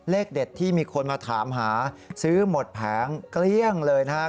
เลขเด็ดที่มีคนมาถามหาซื้อหมดแผงเกลี้ยงเลยนะฮะ